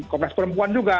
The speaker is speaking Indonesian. komnas perempuan juga